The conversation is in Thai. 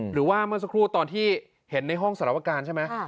หรือว่าเมื่อสักครู่ตอนที่เห็นในห้องสารวการใช่ไหม